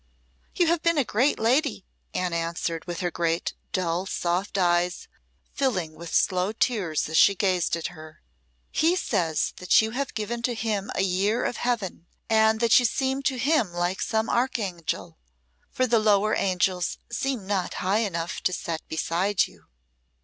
"You have been a great lady," Anne answered, her great dull, soft eyes filling with slow tears as she gazed at her. "He says that you have given to him a year of Heaven, and that you seem to him like some archangel for the lower angels seem not high enough to set beside you."